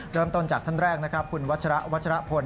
เริ่มต้นจากท่านแรกนะครับคุณวัชระวัชรพล